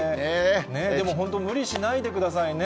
でも本当、無理しないでくださいね。